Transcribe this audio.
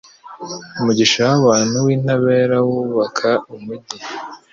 Umugisha w’abantu b’intabera wubaka umugi